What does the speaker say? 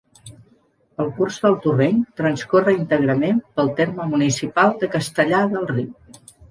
El curs del torrent transcorre íntegrament pel terme municipal de Castellar del Riu.